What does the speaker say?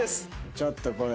ちょっとこれ。